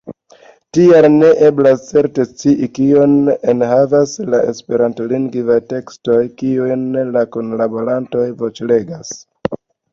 Tial ne eblas certe scii, kion enhavas la esperantlingvaj tekstoj, kiujn la kunlaborantoj voĉlegas.